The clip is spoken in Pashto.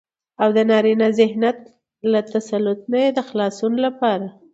او دنارينه ذهنيت له تسلط نه يې د خلاصون لپاره